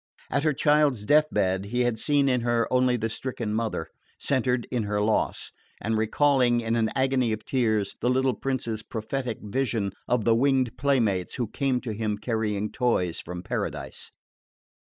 At her child's death bed he had seen in her only the stricken mother, centred in her loss, and recalling, in an agony of tears, the little prince's prophetic vision of the winged playmates who came to him carrying toys from Paradise.